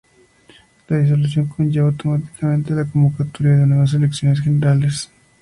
La disolución conlleva automáticamente la convocatoria de nuevas elecciones generales.